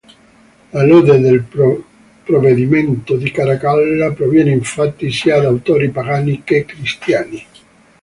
La lode del provvedimento di Caracalla proviene, infatti, sia da autori pagani che cristiani.